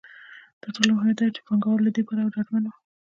تر ټولو مهمه دا ده چې پانګوال له دې پلوه ډاډمن وو.